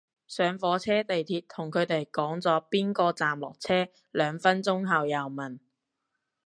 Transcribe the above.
上火車地鐵同佢哋講咗邊個站落車，兩分鐘後又問